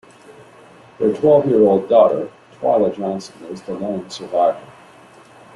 Their twelve-year-old daughter, Twila Johnson, was the lone survivor.